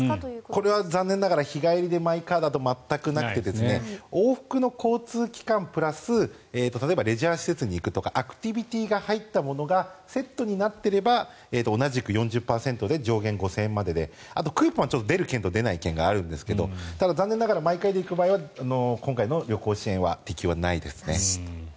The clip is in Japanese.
これは残念ながら日帰りでマイカーだとなくて往復の交通機関プラス例えばレジャー施設に行くとかアクティビティーが入ったものがセットになっていれば同じく４０％で上限５０００円までであとクーポンは出る県と出ない県があるんですがただ残念ながらマイカーで行く場合は今回の旅行支援は適用ないです。